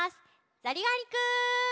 ザリガニくん！